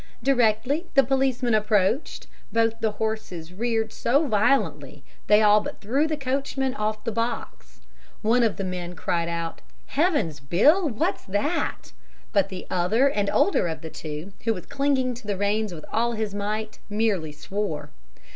Directly the policeman approached, both the horses reared so violently, they all but threw the coachman off the box. One of the men cried out, 'Heavens, Bill, what's that?' But the other and older of the two, who was clinging to the reins with all his might, merely swore.